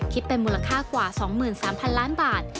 คิดเป็นมูลค่ากว่า๒๓๐๐๐ล้านบาท